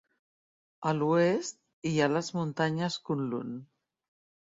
A l'oest hi ha les muntanyes Kunlun.